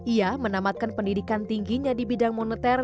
ia menamatkan pendidikan tingginya di bidang moneter